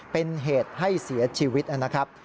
เป็นเหตุให้เสียชีวิตนะครับ